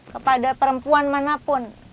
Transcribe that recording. kepada perempuan manapun